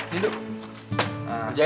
nanti gue jalan